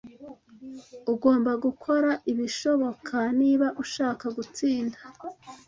Ugomba gukora ibishoboka niba ushaka gutsinda.